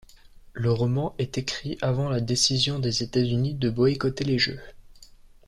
Le roman est écrit avant la décision des États-Unis de boycotter les jeux.